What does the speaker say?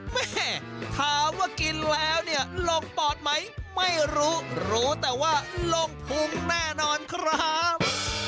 แม่ถามว่ากินแล้วเนี่ยลงปอดไหมไม่รู้รู้รู้แต่ว่าลงพุงแน่นอนครับ